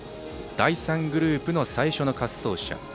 第３グループの最初の滑走者。